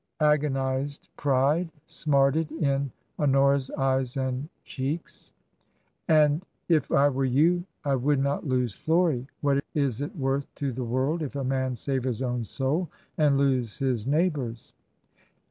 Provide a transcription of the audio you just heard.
Agonized pride smarted in Honora's eyes and cheeks. " And if I were you I would not lose Florie. What is it worth to the world if a man save his own soul and lose his neighbour's